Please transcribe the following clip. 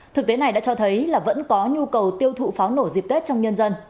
thực tế này đã cho thấy là vẫn có nhu cầu tiêu thụ pháo nổ dịp tết trong nhân dân